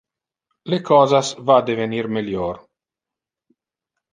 Le cosas va devenir melior.